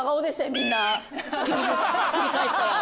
みんな。